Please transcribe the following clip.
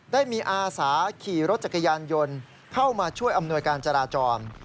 ได้มีอาสาขี่รถจักรยานยนต์เข้ามาช่วยอำนวยการจราจร